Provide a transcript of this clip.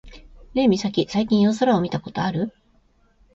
ねえミサキ、最近夜空を見たことある？